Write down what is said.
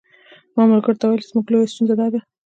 ما ملګرو ته ویل چې زموږ لویه ستونزه داده.